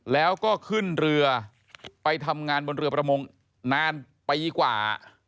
แล้วก็ขึ้นเรือไปทำงานบนเรือประมงนานปีกว่า